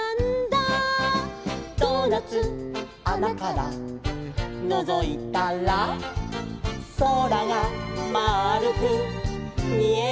「ドーナツあなからのぞいたら」「そらがまあるくみえるんだ」